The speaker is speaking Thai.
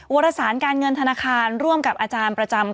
วรสารการเงินธนาคารร่วมกับอาจารย์ประจำ